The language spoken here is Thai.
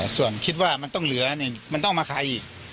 ส่วนคิดว่ามันต้องมาขายอีก